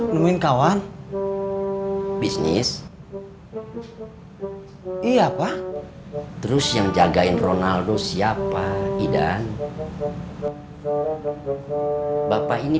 nemuin kawan bisnis iya apa terus yang jagain ronaldo siapa idan bapak ini